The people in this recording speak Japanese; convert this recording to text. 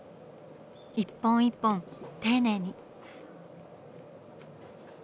一本一本丁寧に。